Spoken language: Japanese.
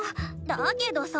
だけどさ。